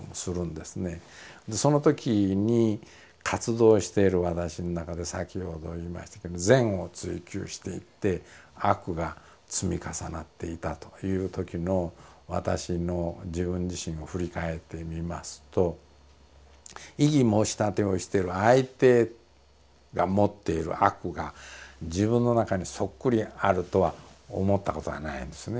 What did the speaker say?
でそのときに活動している私の中で先ほど言いましたけど善を追求していって悪が積み重なっていたというときの私の自分自身を振り返ってみますと異議申し立てをしてる相手が持っている悪が自分の中にそっくりあるとは思ったことはないんですね